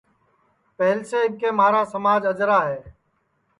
پہلیس اِٻکے مھارا سماج اجرا ہے